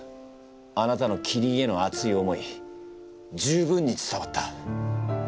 あなたのキリンへの熱い思い十分に伝わった。